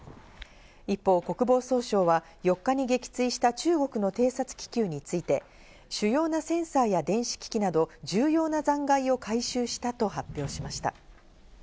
一方、国防総省は４日に撃墜した中国の偵察気球について、主要なセンサーや電子機器など、重要な残骸を回収したと発表しました。